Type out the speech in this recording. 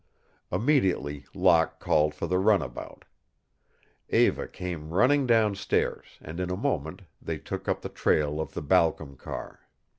Immediately Locke called for the runabout. Eva came running down stairs and in a moment they took up the trail of the Balcom car.